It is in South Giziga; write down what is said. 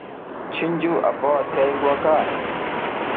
Cunju a bawa ti hay ngi waka.